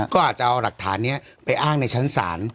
ก็อาจจะเอาหลักฐานนี้ไปอ้างในชั้นศาล